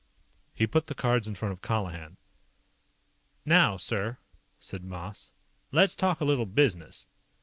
He put the cards in front of Colihan. "Now, sir," said Moss. "Let's talk a little business.